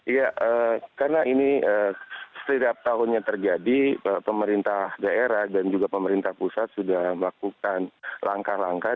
iya karena ini setiap tahunnya terjadi pemerintah daerah dan juga pemerintah pusat sudah melakukan langkah langkah